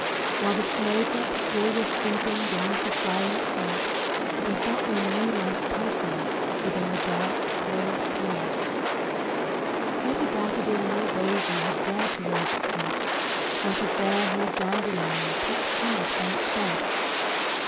While the snow drops still were sleeping Beneath the silent sod; They felt their new life pulsing Within the dark, cold clod. Not a daffodil nor daisy Had dared to raise its head; Not a fairhaired dandelion Peeped timid from its bed; THE CROCUSES.